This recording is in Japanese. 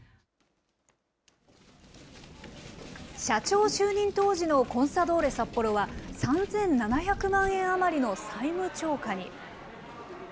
社長就任当時のコンサドーレ札幌は、３７００万円余りの債務超過に。